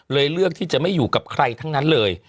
เลือกที่จะไม่อยู่กับใครทั้งนั้นเลย